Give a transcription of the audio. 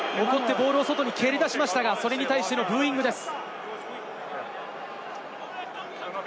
今のはマテオ・カレーラスが怒ってボールを外に蹴り出しましたが、それに対してのブーイングです。